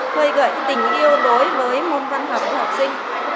khơi gợi tình yêu đối với môn văn học của học sinh